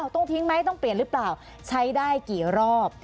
ต้องทิ้งไหมต้องเปลี่ยนหรือเปล่าใช้ได้กี่รอบ